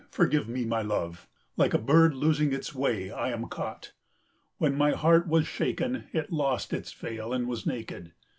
Forgive me my love. Like a bird losing its way I am caught. When my heart was shaken it lost its veil and was naked.